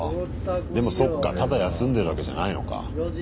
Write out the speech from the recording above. でもそっかただ休んでるわけじゃないのか。